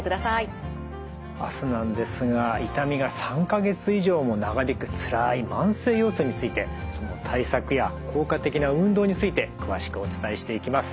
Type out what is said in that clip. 明日なんですが痛みが３か月以上も長引くつらい慢性腰痛についてその対策や効果的な運動について詳しくお伝えしていきます。